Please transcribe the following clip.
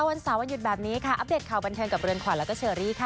วันเสาร์วันหยุดแบบนี้ค่ะอัปเดตข่าวบันเทิงกับเรือนขวัญแล้วก็เชอรี่ค่ะ